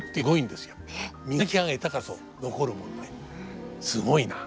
すごいな。